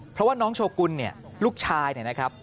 เพราะว่าน้องโชกุลเนี่ยลูกชายเนี่ยนะครับ